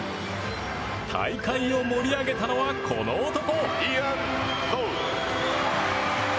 大会を盛り上げたのはこの男！